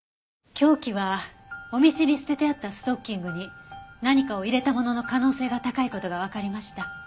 凶器はお店に捨ててあったストッキングに何かを入れたものの可能性が高い事がわかりました。